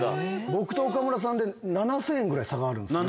僕と岡村さんで７０００円ぐらい差がある。